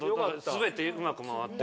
全てうまく回って。